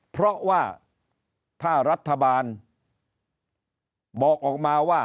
เพราะว่าถ้ารัฐบาลบอกออกมาว่า